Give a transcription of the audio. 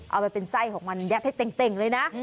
เอาไปเป็นไส้ของมันยัดให้เต่งเลยนะ